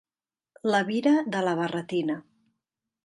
La vira de la barretina.